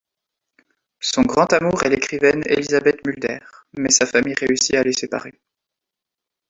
Son grand amour est l'écrivaine Elisabeth Mulder, mais sa famille réussit à les séparer.